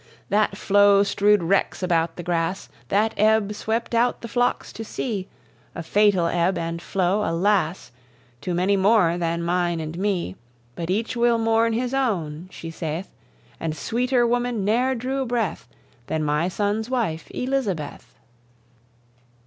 That flow strew'd wrecks about the grass, That ebbe swept out the flocks to sea; A fatal ebbe and flow, alas! To manye more than myne and mee; But each will mourn his own (she saith); And sweeter woman ne'er drew breath Than my sonne's wife, Elizabeth.